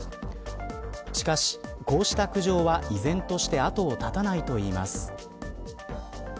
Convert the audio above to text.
しかし、こうした苦情は依然として後を絶たないといいます。